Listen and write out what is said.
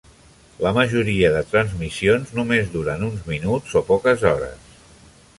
La majoria de transmissions només duren uns minuts o poques hores.